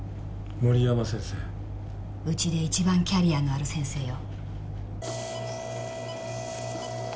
うちで一番キャリアのある先生よ。